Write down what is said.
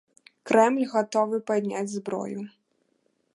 Крэмль гатовы падняць зброю.